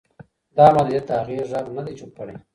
دا محدودیت د هغې غږ نه دی چوپ کړی.